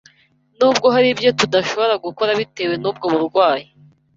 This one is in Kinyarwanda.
Nubwo hari ibyo tudashobora gukora bitewe n’ubwo burwayi